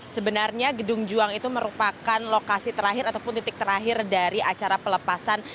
sebenarnya gedung juang itu merupakan lokasi terakhir ataupun titik terakhir dari acara pelepasan